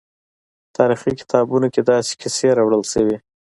تاریخي کتابونو کې داسې کیسې راوړل شوي.